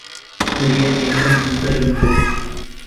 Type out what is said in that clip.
مەریەم یەکەم دڵبەرم بوو.